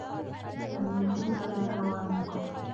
وَالنُّفُوسَ بِهَا وَامِقَةٌ